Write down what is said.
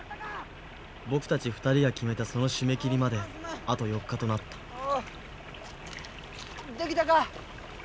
僕たち２人が決めたその締め切りまであと４日となったできたか？